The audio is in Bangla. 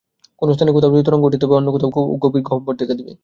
কোন স্থানে কোথাও যদি তরঙ্গ উঠে, তবে অন্য কোথাও গভীর গহ্বর দেখা দিবে।